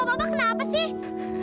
kok bapak kenapa sih